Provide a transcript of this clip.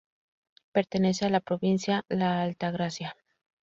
Pertenece a la provincia La Altagracia.